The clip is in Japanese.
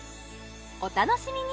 お楽しみに